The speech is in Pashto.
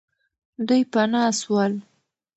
دوی پنا سول.